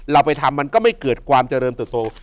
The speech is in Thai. เราไปทำมันก็ไม่เกิดความเจริญเติบโต